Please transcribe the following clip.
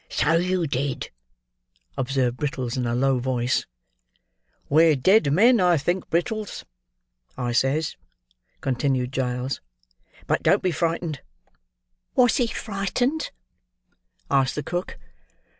'" "So you did," observed Brittles, in a low voice. "'We're dead men, I think, Brittles,' I says," continued Giles; "'but don't be frightened.'" "Was he frightened?" asked the cook.